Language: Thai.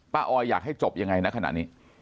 ป้าออยอยากให้จบยังไงณขนาดนี้